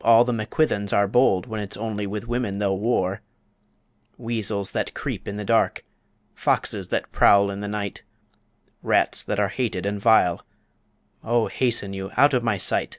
all the Mac Quithens are bold When it's only with women they'll war Weasels that creep in the dark! Foxes that prowl in the night! Rats that are hated and vile! O hasten you out of my sight!